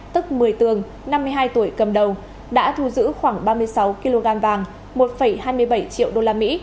tức một mươi tường năm mươi hai tuổi cầm đầu đã thu giữ khoảng ba mươi sáu kg vàng một hai mươi bảy triệu usd